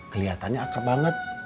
keliatannya akrab banget